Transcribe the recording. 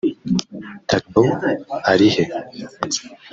Tagbo ari he